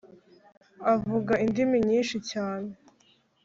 avuga indimi nyinshi cyane